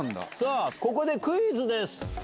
ここでクイズです。